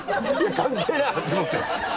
関係ない橋本さん。